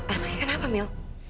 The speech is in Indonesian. al ini kenapa mel